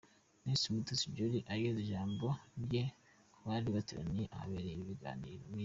Miss Mutesi Jolly ageza ijambo rye ku bari bateraniye ahabereye ibi biganiroMin.